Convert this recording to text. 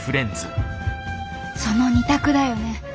その２択だよね